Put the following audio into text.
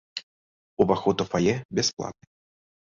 Уваход у фае бясплатны.